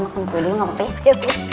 enggak kembali enggak pede